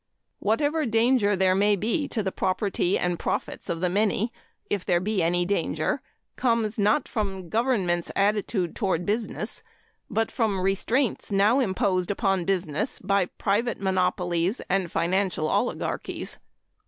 Whatever danger there may be to the property and profits of the many, if there be any danger, comes not from government's attitude toward business but from restraints now imposed upon business by private monopolies and financial oligarchies.